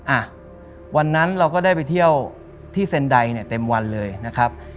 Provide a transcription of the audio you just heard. อ่ะวันนั้นเราก็ได้ไปเที่ยวที่เซ็นไดเนี่ยเต็มวันเลยนะครับ